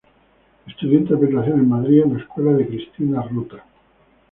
Estudió interpretación en Madrid, en la Escuela de Cristina Rota.